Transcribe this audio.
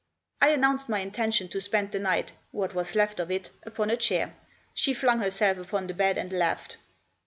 I announced my intention to spend the night — what was left of it — upon a chair. She flung herself upon the bed and laughed.